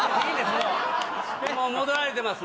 もうもう戻られてます